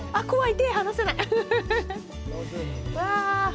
手、離せない。